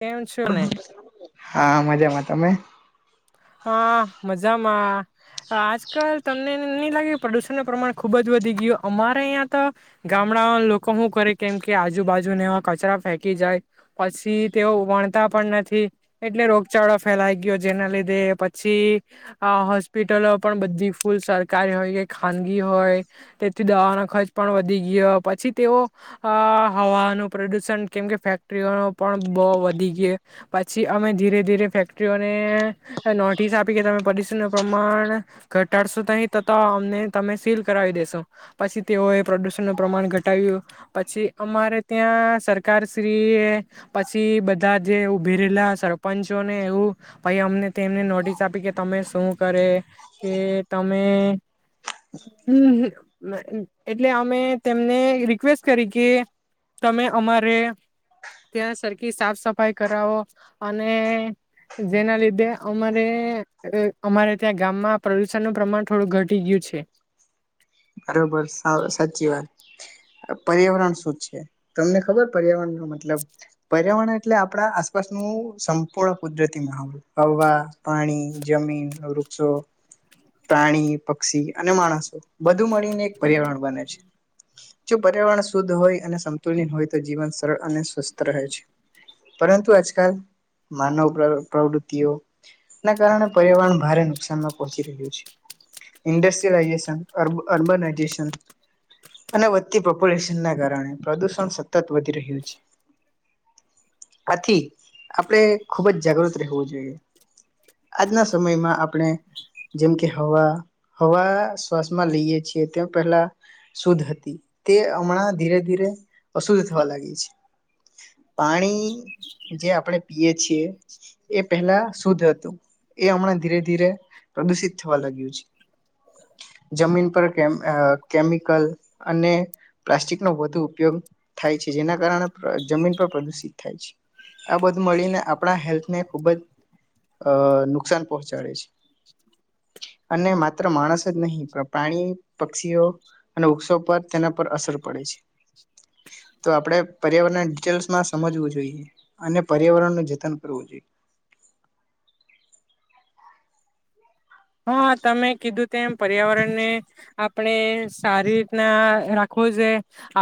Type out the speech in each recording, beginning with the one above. કેમ છો ને હા મજામાં. તમે? હા મજામાં. અહ આજકાલ તમને ન નઈ લાગે પ્રદુષણ ન પ્રમાણ ખુબ જ વધી ગયો. અમારે અહિયા તો ગામડાઓના લોકો હું કરે કેમ કે આજુબાજુ ને એવા કચરા ફેંકી જાય, પછી તેઓ વણતા પણ નથી એટલે રોગચાળો ફેલાઈ ગયો જેના લીધે પછી અહ હોસ્પિટલો પણ બધી ફૂલ સરકારી હોય કે ખાનગી હોય, તેથી દવાનો ખર્ચ પણ વધી ગયો, પછી તેઓ અહ હવાનું પ્રદુષણ કેમ કે ફેક્ટરીઓનો પણ બહુ વધી ગયો, પછી અમે ધીરે ધીરે ફેક્ટરીઓ નોટિસ આપી કે તમે પ્રદુષણ નું પ્રમાણ ઘટાડશો, તહી તતા અમને તમે સીલ કરાવી દેેશો પછી તેઓએ પ્રદુષણ નું પ્રમાણ ઘટાવ્યું પછી, અમારે ત્યાં સરકારશ્રી એ પછી, બધા જે ઉભી રહેલા સરપંચોને એવું. પાઈ અમને તેમને નોટિસ આપી, કે તમે શું કરે, કે તમે એટલે અમે તેમને રિક્વેસ્ટ કરી, કે તમે અમારે ત્યાં સરખી સાફ સફાઈ કરાવો અને. જેના લીધે અમારે, અમારે ત્યાં ગામમાં પ્રદુષણનું પ્રમાણ, થોડું ઘટી ગયું છે. બરોબર સાચી, વાત પર્યાવરણ શું છે, તમને ખબર પર્યાવરણ. મતલબ પ. પર્યાવા એટલે આપણા, આસપાસનું સંપૂર્ણ કુદરતી, માહોલ હવા પાણી જમીન વૃક્ષો પ્રાણી પક્ષી, અને માણસો. વધુ મળીને એક પર્યાવરણ બને છે, જો પર્યાવરણ શુદ્ધ હોય, અને સમતુલન હોય, તો જીવન સરળ અને સ્વસ્થ રહે છે, પરંતુ આજકાલ માનવ પ્રવૃતિઓ ના કારણે પર્યાવરણ ભારે નુકસાનમાં પહોંચી રહ્યું છે, ઇન્ડસ્ટ્રીયલાેશન. અર્બનાઈઝેશન અને વધતી પોપ્યુલેશન ના કારણે પ્રદુષણ સતત વધી રહ્યું છે, આથી આપણે ખુબજ, જાગૃત રહેવું જોઈએ આજના સમયમાં આપણે જેમ કે હવા હવા. શ્વાસમાં લઈએ છીએ તે પહેલા શુદ્ધ હતી તે હમણાં ધીરે ધીરે, અશુદ્ધ થવા લાગી છે, પાણી જે આપણે પીય છીએ એ પહેલા શુદ્ધ હતું એ હમણાં ધીરે ધીરે, પ્રદુષિત થવા લાગ્યું છે. જમીન, પર કેમિકલ અને પ્લાસ્ટિકનોો વધુ ઉપયોગ થાય છે, જેના કારણે જમીન પર પ્રદુષિત થાય છે, આ બધું મળીને આપણા હેલ્થને ખૂબજ નુકસાન પહોંચાડે છે, અને માત્ર માણસ. નહી, પણ પાણી પક્ષીઓ અને વૃક્ષો પર તેના પર અસર પડે છે, તો આપણે પર્યાવરણના ડિટેલ્સમાં સમજવું, જોઈએ અને પર્યાવરણ ન જતન કરવું જોઈએ. હા, તમે. કીધું, તેમ પર્યાવરણને આપણે સારી રીતના. આખું છે,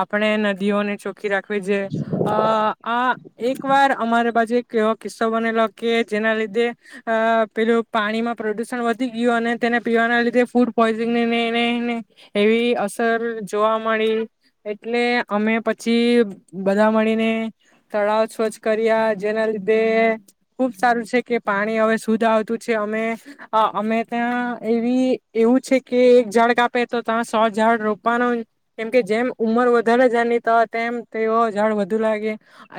આપણે નદીઓને ચ. ખી રાખવી છે, અ આ એક વાર અમારે પાસે. કેવો કિસ્સો બનેલો કે, જેના લીધે અ, પેલું પાણીમાં પ્રદુષણ વધ. ગ અને તેને પીવાના લીધે ફૂડ પોઈઝનનેને, એવી અસર જોવા મળી એટલે અમે પછી, બધા મળીને તળાવ સ્વછ કર્યા જેના લીધે ખુબ સારું છે, કે પાણી હવે શુદ્ધ આવતું છે અમે. અમે ત્યાં એવી એવું છે કે એક ઝાડ કાપે તો ત્યાં સો ઝાડ રોપવાનો કેમકે જેમ ઉંમર વધારે જની તો તેમ તેઓ ઝાડ વધુ લાગે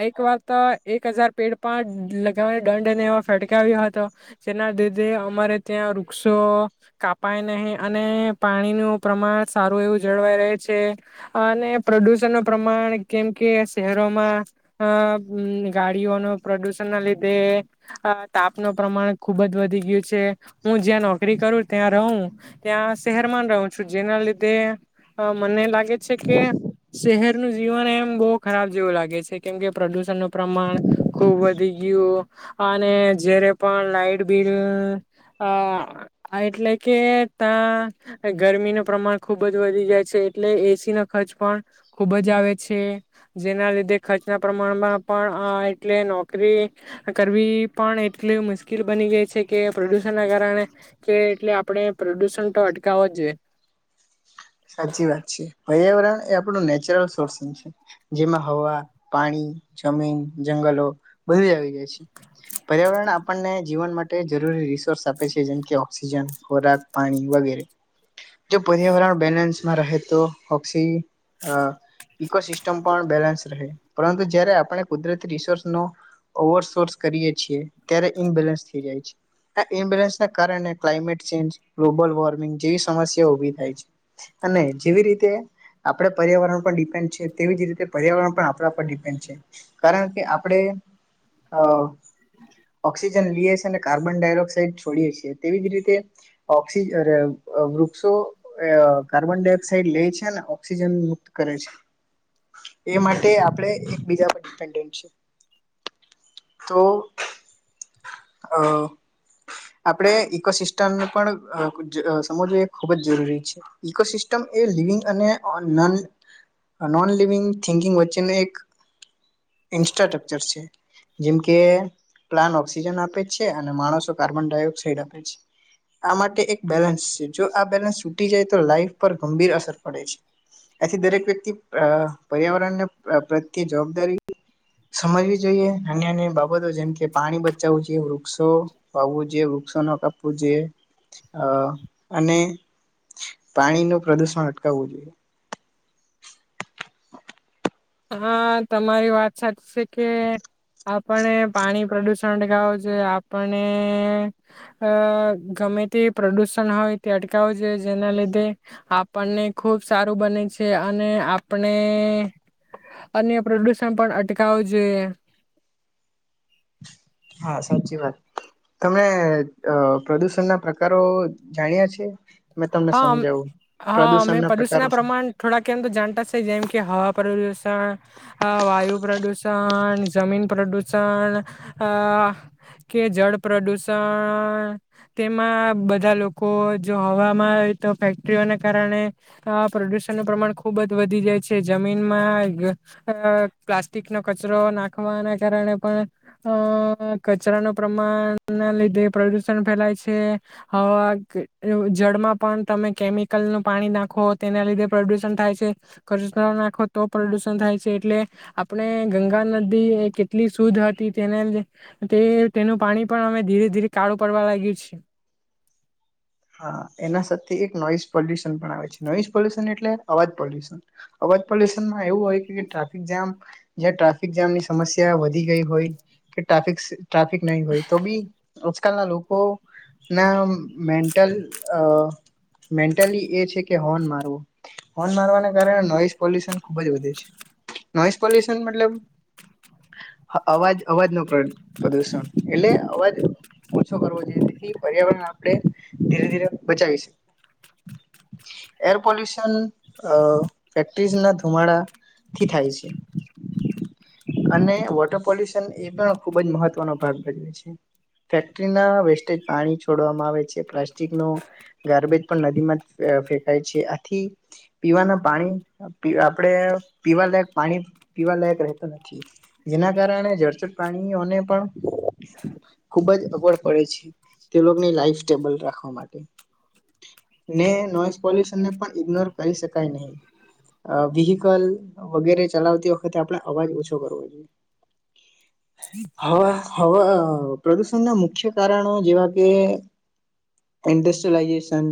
એક વાર તો એક હજાર પેડ પણ લગાવને દંડને એ ફટકાવ્યો હતો જેના લીધે અમારે. ત્યાં વૃક્ષો કાપાય નહીં અને પાણીનું પ્રમાણ સારું એવું જળવાઈ રહે છે, અને પ્રદૂષણનું પ્રમાણ કેમ, કે શહેરોમાં ગાડીઓનું પ્રદુષણના લીધે તાપનું પ્રમાણ ખૂબજ વધી ગયું છે. હું, જ્યાં નોકરી કરું ત્યાં રહું ત્યાં શહેરમાં રહું છું, જેના લીધે મને લાગે છે કે શહેરનું જીવન એમ બહુ ખરાબ જેવું લાગે છે, કેમ કે પ્રદુષણ નું પ્રમાણ ખુબ વધી ગયું અને જારે પણ લાાઈટ બિલ. અ એટલે કે ત્યા ગરમીનું પ્રમાણ ખુબ જ વધી જાય છે, એટલે એસી ન ખર્ચ પણ ખુબજ આવે છે, જેના લીધે ખર્ચના પ્રમાણમાં પણ એટલે નોકરી કરવી પણ એટલી મુશ્કેલ બની જાય છે કેુ. ના કારણે કે, એટલે આપણે પ્રદુષણ તો અટકાવ જોઈએ. સાચી વાત છે પર્યાવરણ એ આપણું નેચરલ સોર્સન છે, જેમાં હવા પાણી જમીન જંગલો બધું આવી જાય છે, પર્યાવરણ આપણને જીવન માટે જરૂરી રિસોર્સ આપે છે, જેમકે ઓક્સિજન ખોરાક પાણી વગેરે જો પર્યાવરણ. બેલેન્સમાં રહે તો ઓક્સ ઈકોસિસ્ટમ પણ બેલેન્સ રહે પરંતુ જ્યારે, આપણે કુદરતી રિસોર્સનો ઓવરસોર્સ કરીએ છીએ ત્યારે ઇનબેલેન્સ થઈ જાય છે, આ ઇનબેલેન્સના કારણે ક્લાઇમેટ ચેન્જ ગ્લોબલ વોર્મિંગ જેવી સમસ્યા, ઉઊભી થાય છે. અને જેવી રીતે આપણે પર્યાવરણ પર ડિપેન્ડ છે, તેવી જ રીતે પર્યાવરણ પણ આપણા પર ડિપેન્ડ છે, કારણ કે આપણે ઓક્સિજન લઈએ છેએ અને કાર્બન ડાયોક્સાઇડ છોડીએ, છીએ તેવી જ રીતે ઓક્ વૃક્ષો. કાર્બન ડાયોક્સાઇડ લે છેને, ઓક્સિજન મુક્ત કરે છે, એ માટે આપણે એકબીજા પર ડિપેન્ડન્ટ છે તો અ આપણે ઈકોસિસ્ટમને પણ સમજવું એ ખૂબ જ જરૂરી છે. ઈકોસિસ્ટમ એ લિવિંગ અને નોન લિવિંગ થિન્કિંગ વચ્ચેનું એક ઇન્ફ્રાસ્રકચર છે જેમકે પ્લાન ઓક્સિજન આપે છે અને માણસો કાર્બન ડાયોક્સાઇડ આપે છે આ માટે એક બેલેન્સ. જો, આ બે. તો લાઈફ પર ગંભીર અસર પડે છે, આથી દરેક વ્યક્તિ, પર્યાવરણને પ્રત્યે જવાબદારી. સમજવી જોઈએ, અન અન્ય બાબતો જેમ કે પાણી બચાવવું જોઈએ, વૃક્ષો વાવવું જોઈએ. ન કાપવું જોઈ, અને. પાણી, ન પ્રદુષણ અટકાવવું જોઈએ. હ તમારી વાત સાચી છે, કે આપણે પાણી પ્રદુષણ અટકાવવું જોઈએ આપણે અ ગમે તે પ્રદુષણ હોય તે અટકાવ જોઈએ, જેના લીધે આપણને ખુબ સારું બને છે, અને આપણે. અને પ્રદુષણ, પણ અટકાવ જો. હા, સાચી વાત તમને પ્રદુષણ ના પ્રકારો જાણ્યા છે. મેં તમને હા, સમજાવું હા અમે પ્રદુષણના પ્રદુષણ પ્રકારો ના શું? પ્રમાણ થોડાક એમ તો જાણતા છે, જેમ કે. કે હા, પારડુસન્દ. આ વાયુ પ્રદૂષણ. જમીન પ્રદુષણ કે, જળ પ્રદુષણ તેમાં બધા લોકો, જો હવા. તો ફેક્ટરીઓને કારણે પ્રદુષણ નું પ્રમાણ ખુબજ વધી જાય છે, જમીનમાં પ્લાસ્ટિક નો કચરો નાખવાના કારણે પણ અ કચરા ન પ્રમાણ ના લીધે પ્રદુષણ ફેલાય છે હવા. જળમાં પણ તમે કેમિકલનું પાણી નાખો તેના લીધે પ્રદુષણ થાય છે, ખચ નાખો તો પ્રદુષણ થાય છે, એટલે આપણે ગંગા નદી એ કેટલી શુદ્ધ હતી તેને તેનું પાણી પણ અમે, ધીરે ધીરે કાળું પડવા લાગ્યું છે. એના સાથે એક નોઈઝ પોલ્યુશન પણ આવે છે, નોઈઝ પોલ્યુશન એટલે અવાજ પોલ્યુશન અવાજ પોલ્યુશનમાં એવું, હોય કે ટ્રાફિક જામ જ્યાં ટ્રાફિક જામની સમસ્યા વધી, ગઈ હોય, કે ટ્રાફિક. ટ્રાફિક નહીં હોય, તો બી. આજકાલ ના લોકો ના મે ટલ અહ મેન્ટલી એ છે કે હોર્ન મારવો. હોર્ન મારવાના કારણે નોઈસ પોલ્યુશન ખુબ જ વધે છે. નોઈસ પોલ્યુશન મતલબ અવાજ અવાજ નું પ પ્રદુષણ. એટલે અવાજ ઓછો કરવો જોઈએ જેથી પર્યાવરણ આપણે ધીરે ધીરે બચાવી શ. એર પોલ્યુશન અહ ફેક્ટરી જેલા ધુમાડાથી થાય છે, અને વોટર પોલ્યુશન એ પણ ખુબ જ મહત્વનો ભાગ ભજવે છે. ફેક્ટરીના વેસ્ટેજ પાણી છોડવામાં આવે છે કે પ્લાસ્ટિક નો ગાર્બેજ પણ નદીમાં જ ફેકાય છે, આથી પીવાના પાણી આપણે પીવાલાયક પાણી, પીવાલાયક રહેતો નથી, જેના કારણે જળચર પ્રાણીઓને પણ ખુબ જ અગવડ પડે છે તે લોકની લાઈફ [unintelligible] ને પોલ્યુશનને પણ ઈગ્નોર કરી શકાય નહી. અહ વહીકલ વગેરે ચલાવતી વખતે આપણે અવાજ ઓછો કરવો જોઈએ. હવા-હવા અહ પ્રદુષણના મુખ્ય કારણો જેવા કે ઇન્ડસ્ટ્રીલાઈઝેશન,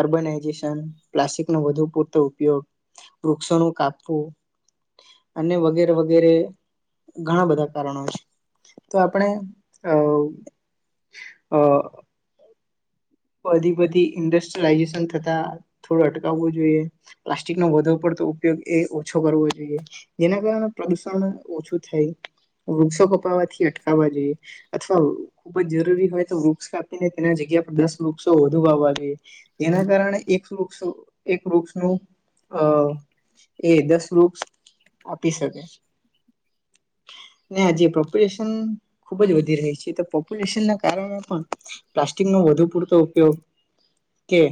અર્બૉનાઈઝેશન, પ્લાસ્ટિક નું વધુ પડતો ઉપયોગ, વૃક્ષો નું કાપવું અને વગેરે વગેરે ઘણા બધા કારણો છે. તો આપણે અહ-અહ બધી-બધી ઇન્ડસ્ટ્રીલાઈઝેશન થતા થોડો અટકાવવો જોઈએ. પ્લાસ્ટિક નો વધારે પડતો ઉપયોગ એ ઓછો કરવો જોઈએ. જેના કારણે પ્રદુષણ ઓછું થાય, વૃક્ષો કપાવવાથી અટકાવવા જોઈએ, અથવા ખુબ જ જરૂરી હોય તો વૃક્ષ કાપીને તેના જગ્યા પર દસ વૃક્ષો વધુ વાવવા જોઈએ, જેના કારણે એક વૃક્ષો એક વૃક્ષ નું અહ એ દસ વૃક્ષ આપી શકે. ને ઓ જે પ્રોપરેશન ખૂબ જ વધી રહી છે, તો પોપ્યુલેશનના કારણે પણ પ્લાસ્ટિકનો વધુ પૂર તો ઉપયોગ કે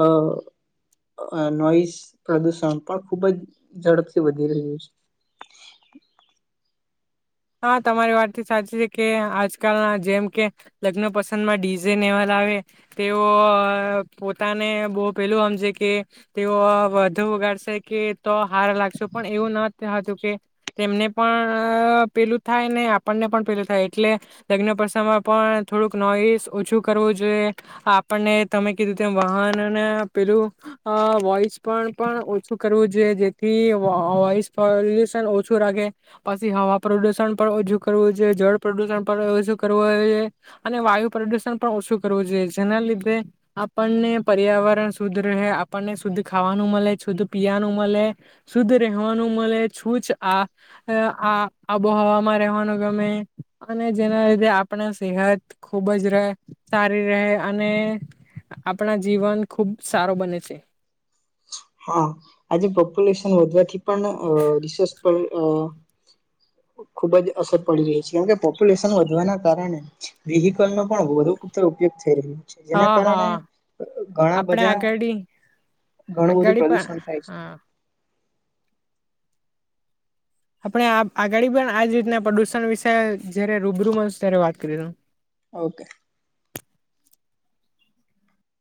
અહ નોઈસ પ્રદુષણ પણ ખૂબ જ ઝડપથી વધી રહ્યું છે. હા તમારી વાત તો સાચી છે કે આજકાલના જેમ કે લગ્ન પસંદમાં ડીઝે ને એવા લાવે તેઓ અહ પોતાને બહુ પેલું સમજે કે તેઓ વધુ ઉગાડશે કે તો હારા લાગશે પણ એવું ન થાતું કે તેમને પણ પેલું થાય ને આપણને પણ પેલું થાય એટલે લગ્ન પ્રસંગમાં પણ થોડુંક નોઈસ ઓછું કરવું જોઈએ. આપણને તમે કીધું તેમ વાહનને પેલું વોઈસ અહ પણ પણ ઓછું કરવું જોઈએ જેથી વો વોઇસ પોલ્યુશન ઓછું રાખે. પછી હવા પ્રદૂષણ પણ ઓછું કરવું જોઈએ, જળ પ્રદુષણ પણ ઓછું કરવું જોઈએ અને વાયુ પ્રદુષણ પણ ઓછું કરવું જોઈએ. જેના લીધે આપણને પર્યાવરણ શુદ્ધ રહે, આપણને શુદ્ધ ખાવાનું મલે, શુદ્ધ પીવાનું મલે, શુદ્ધ રહેવાનું મલે છુજ આ-આ આબો હમાં રહેવાનું ગમે અને જેના લીધે આપણા સેહત ખૂબ જ રહે સારી રહે અને આપણા જીવન ખૂબ સારો બને છે. હા આજે પોપ્યુલેશન વધવાથી પણ અહ રીસસ પર અહ ખુબજ અસર પડી રહી છે. કેમકે પોપ્યુલેશન વધવાના કારણે વેહકલનો પણ વધુ ઉપયોગ થઈ રહ્યો છે, જેના હા કારણે હા ઘણા આપણે બધા આગળ ઘણું બધું આગળ પણ પ્રદુષણ થાય છે. હા આપણે આપ આગાડી પણ આજ રીતના પ્રદુષણ વિશે જયારે રૂબરૂ મસ્ત ત્યારે વાત કરી રહું. ઓકે.